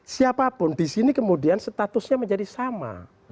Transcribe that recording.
siapapun di sini kemudian statusnya menjadi sama